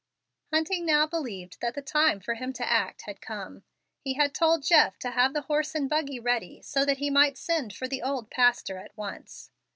Hunting now believed that the time for him to act had come. He had told Jeff to have the horse and buggy ready so that he might send for the old pastor at once.